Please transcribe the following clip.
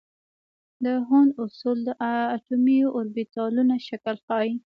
د هوند اصول د اټومي اوربیتالونو شکل ښيي.